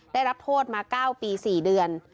ได้รับโทษมา๙ปี๔เดือน